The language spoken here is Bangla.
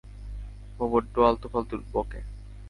ও বড্ড আলতু-ফালতু বকে।